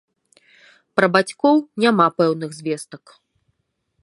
Пра бацькоў няма пэўных звестак.